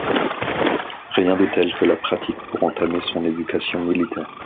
Rien de tel que la pratique pour entamer son éducation militaire.